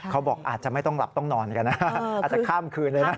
เขาบอกอาจจะไม่ต้องหลับต้องนอนกันนะอาจจะข้ามคืนเลยนะ